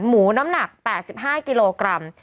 หมูน้ำหนัก๘๕กิโลกรัม